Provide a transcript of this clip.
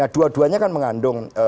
dua duanya kan mengandung